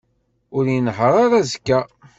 Ur inehheṛ ara azekka.